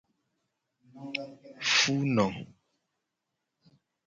Funo.